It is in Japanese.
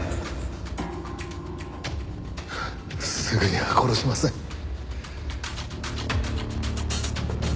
すぐには殺しません。